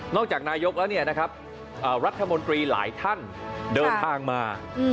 นอกจากนายกแล้วเนี่ยนะครับอ่ารัฐมนตรีหลายท่านเดินทางมาอืม